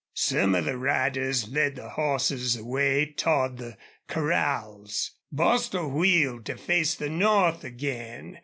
Some of the riders led the horses away toward the corrals. Bostil wheeled to face the north again.